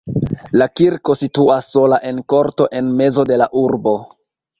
La kirko situas sola en korto en mezo de la urbo.